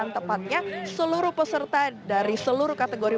tepatnya seluruh peserta dari seluruh kategori